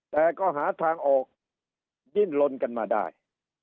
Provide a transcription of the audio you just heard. แต่ก็หาทางออกดิ้นลนกันมาได้